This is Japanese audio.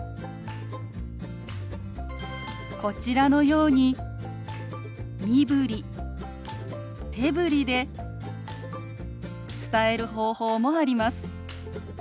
こちらのように身振り手振りで伝える方法もあります。